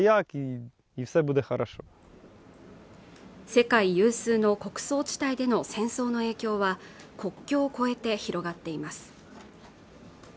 世界有数の穀倉地帯での戦争の影響は国境を越えて広がっています